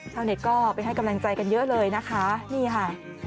ชาวเน็ตก็ไปให้กำลังใจกันเยอะเลยนะคะนี่ค่ะ